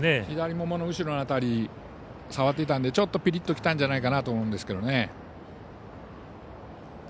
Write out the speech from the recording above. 左ももの後ろ辺り触っていたのでちょっとピリッときたんじゃないかと思うんですけどね。